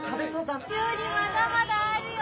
料理まだまだあるよ。